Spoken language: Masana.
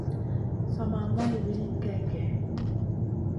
Sa ma maya wilin gey gèh.